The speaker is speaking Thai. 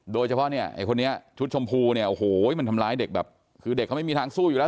โดยเฉพาะเนี่ยไอ้คนนี้ชุดชมพูเนี่ยโอ้โหมันทำร้ายเด็กแบบคือเด็กเขาไม่มีทางสู้อยู่แล้ว